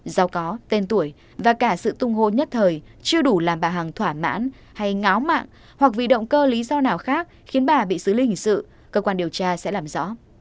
do có tên tuổi và cả sự tung hô nhất thời chưa đủ làm bà hàng thoả mãn hay ngáo mạng hoặc vì động cơ lý do nào khác khiến bà bị xứ linh sự cơ quan điều tra sẽ làm rõ